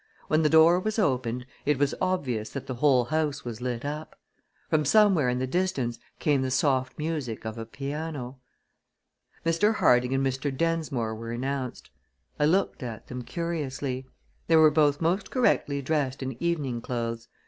When the door was opened it was obvious that the whole house was lit up. From somewhere in the distance came the soft music of a piano. Mr. Harding and Mr. Densmore were announced. I looked at them curiously. They were both most correctly dressed in evening clothes.